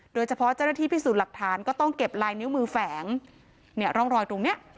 เจ้าหน้าที่พิสูจน์หลักฐานก็ต้องเก็บลายนิ้วมือแฝงเนี่ยร่องรอยตรงเนี้ย